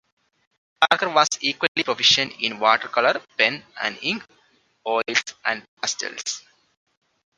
Barker was equally proficient in watercolour, pen and ink, oils, and pastels.